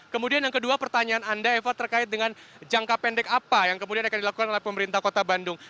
kemudian yang kedua pertanyaan anda eva terkait dengan jangka pendek apa yang kemudian akan dilakukan oleh pemerintah kota bandung